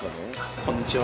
こんにちは。